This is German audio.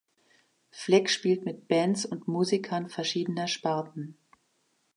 Fleck spielt mit Bands und Musikern verschiedener Sparten.